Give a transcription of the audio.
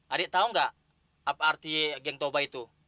adik tahu nggak apa arti geng toba itu